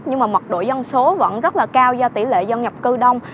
nhưng mà mật độ dân số vẫn rất là cao do tỷ lệ dân nhập cư đông